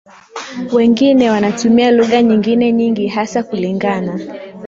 wengine wanatumia lugha nyingine nyingi hasa kulingana